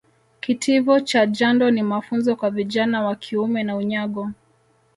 Kitivo cha jando ni mafunzo kwa vijana wa kiume na unyago